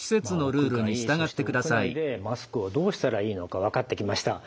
屋外そして屋内でマスクをどうしたらいいのか分かってきました。